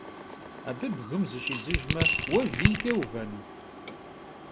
Abı bgım zışidzıjjme, vue viyç'e vuvenu?